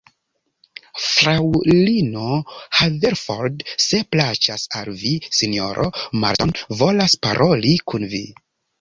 Fraŭlino Haverford, se plaĉas al vi, sinjoro Marston volas paroli kun vi.